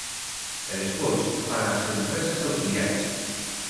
E despois para as empresas auxiliares.